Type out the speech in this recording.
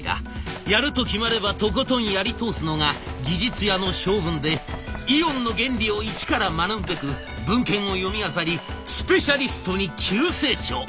やると決まればとことんやり通すのが技術屋の性分でイオンの原理を一から学ぶべく文献を読みあさりスペシャリストに急成長。